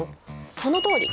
そのとおり！